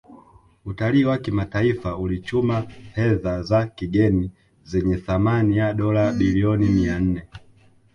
Utalii wa kimataifa ulichuma fedha za kigeni zenye thamani ya Dola bilioni mia nne